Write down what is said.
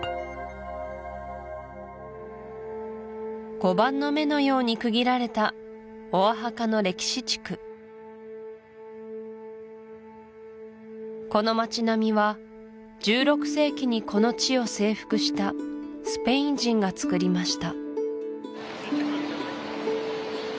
碁盤の目のように区切られたこの街並みは１６世紀にこの地を征服したスペイン人がつくりました